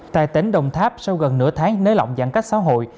tại tỉnh đồng tháp sau gần nửa tháng nới lỏng giãn cách xã hội